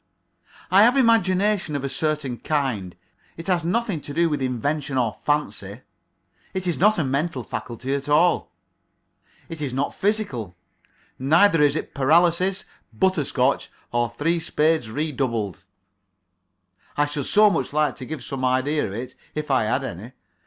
I have imagination of a certain kind. It has nothing to do with invention or fancy. It is not a mental faculty at all. It is not physical. Neither is it paralysis, butterscotch, or three spades re doubled. I should so much like to give some idea of it if I had any.